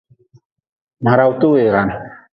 Ma rawte weran.